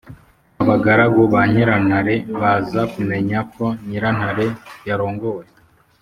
abagaragu ba nyirantare baza kumenya ko nyirantare yarongowe.